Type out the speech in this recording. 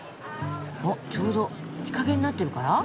あっちょうど日陰になってるから？